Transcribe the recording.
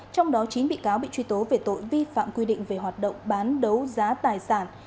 trong đó chín bị cáo bị truy tố về tội vi phạm quy định về hoạt động bán đấu giá tài sản